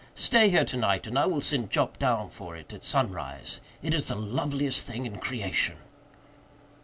Stay here to night, and I will send Jup down for it at sunrise. It is the loveliest thing in creation!"